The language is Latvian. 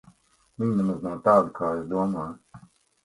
Viņa nemaz nav tāda, kā es domāju.